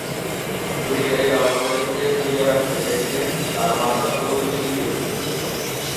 জমিদারির আবহ থেকে দূরে রাখতে চাইতেন তার মাতা সরোজিনী দেবী।